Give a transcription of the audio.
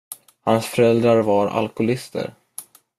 Hans föräldrar var alkoholister.